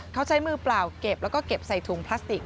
เขาใช้มือเปล่าเก็บแล้วก็เก็บใส่ถุงพลาสติก